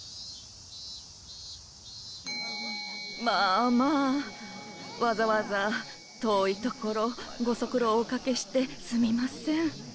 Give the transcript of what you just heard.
まあまあわざわざ遠い所ご足労おかけしてすみません。